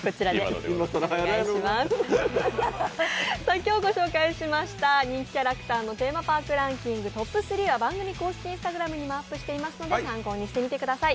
今日ご紹介しました人気キャラクターテーマパークランキングトップ３は番組公式Ｉｎｓｔａｇｒａｍにもアップしてますのでチェックしてみてください